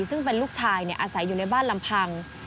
ซึ่งเป็นลูกชายอาศัยอยู่ในบ้านลำพัง